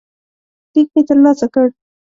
لیک مې ترلاسه کړ.